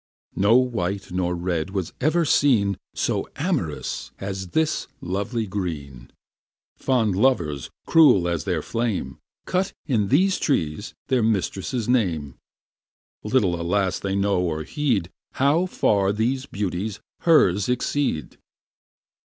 No white nor red was ever seen So am'rous as this lovely green. Fond lovers, cruel as their flame, Cut in these trees their mistress' name; Little, alas, they know or heed How far these beauties hers exceed!